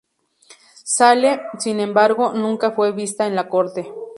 Saale, sin embargo, nunca fue vista en la corte.